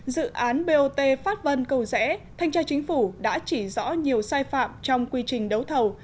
dự án bot pháp vân cầu rẽ thanh tra chính phủ đã chỉ rõ nhiều sai phạm trong quy trình đấu thầu